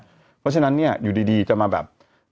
เพราะฉะนั้นเนี่ยอยู่ดีจะมาแบบ